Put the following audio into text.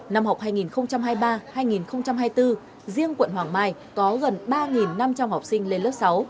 năm học hai nghìn hai mươi ba hai nghìn hai mươi bốn riêng quận hoàng mai có gần ba năm trăm linh học sinh lên lớp sáu